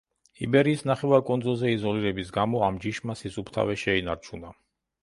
იბერიის ნახევარკუნძულზე იზოლირების გამო ამ ჯიშმა სისუფთავე შეინარჩუნა.